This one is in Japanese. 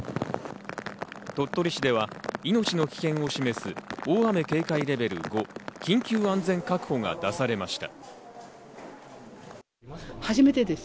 鳥取市では命の危険を示す大雨警戒レベル５、緊急安全確保が出されました。